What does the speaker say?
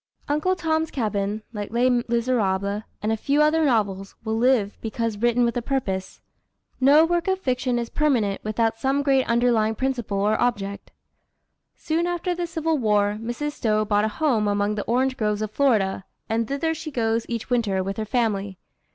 Uncle Tom's Cabin, like Les Miseràbles, and a few other novels, will live, because written with a purpose. No work of fiction is permanent without some great underlying principle or object. Soon after the Civil War, Mrs. Stowe bought a home among the orange groves of Florida, and thither she goes each winter, with her family.